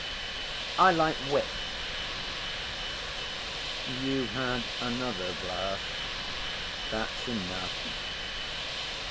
I like wit." "You've had another glass. That's enough."